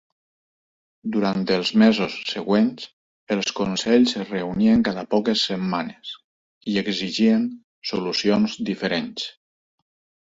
Durant els mesos següents, els consells es reunien cada poques setmanes, i exigien solucions diferents.